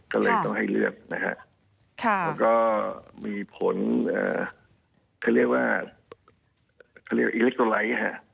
ก็เลยต้องให้เลือกมีผลอิเล็กตอไลก์